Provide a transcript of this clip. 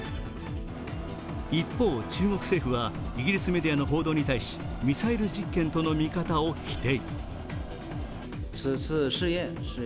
一方、中国政府はイギリスメディアの報道に対しミサイル実験との見方を否定。